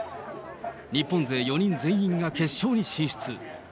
日本勢４人全員が決勝に進出。